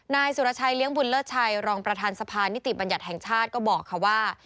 นายสุรชัยเลี้ยงบุญเลิศชัยรองประธานสะพานนิติบัญญัติแห่งชาติก็บอกค่ะว่า